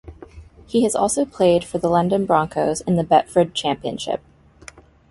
He has also played for the London Broncos in the Betfred Championship.